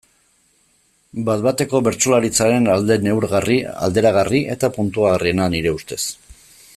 Bat-bateko bertsolaritzaren alde neurgarri, alderagarri eta puntuagarriena, nire ustez.